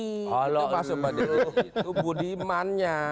itu masuk ke budimannya